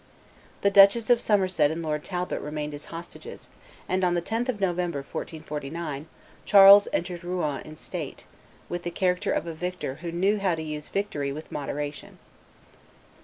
The Duchess of Somerset and Lord Talbot remained as hostages; and on the 10th of November, 1449, Charles entered Rouen in state, with the character of a victor who knew how to use victory with moderation.